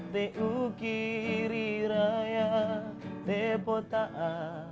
di uki riraya di pota'a